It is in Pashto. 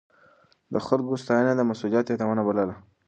ده د خلکو ستاينه د مسؤليت يادونه بلله.